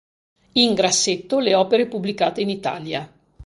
In grassetto le opere pubblicate in Italia.